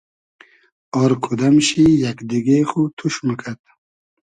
آر کودئم شی یئگ دیگې خو توش موکئد